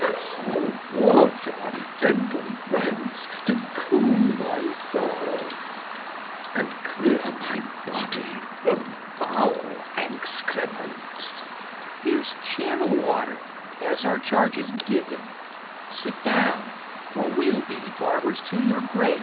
O, water, gentle friends, to cool my thirst, And clear my body from foul excrements! Mat. Here's channel water, as our charge is given: Sit down, for we'll be barbers to your grace.